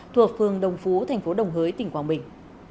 thuộc phường đồng phú thành phố đồng hới tỉnh quảng bình